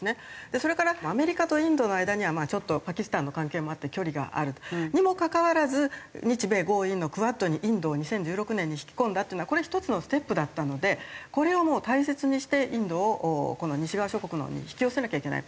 それからアメリカとインドの間にはちょっとパキスタンの関係もあって距離があるにもかかわらず日米豪印のＱＵＡＤにインドを２０１６年に引き込んだっていうのはこれ１つのステップだったのでこれを大切にしてインドをこの西側諸国のほうに引き寄せなきゃいけない。